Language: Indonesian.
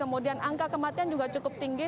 kemudian angka kematian juga cukup tinggi